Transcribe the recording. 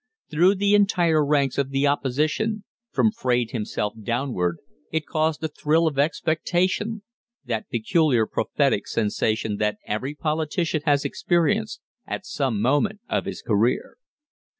Through the entire ranks of the opposition, from Fraide himself downward, it caused a thrill of expectation that peculiar prophetic sensation that every politician has experienced at some moment of his career.